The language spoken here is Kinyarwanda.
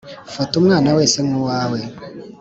Fata umwana wese nkuwawe